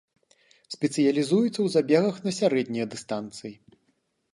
Спецыялізуецца ў забегах на сярэднія дыстанцыі.